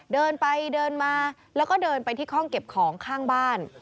เดินไปเดินมาแล้วก็เดินไปที่ห้องเก็บของข้างบ้าน